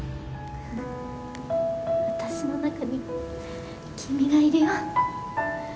私の中に君がいるよ。